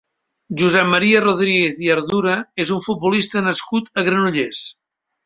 Josep Maria Rodríguez i Ardura és un futbolista nascut a Granollers.